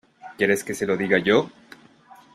¿ quiere que se lo diga yo?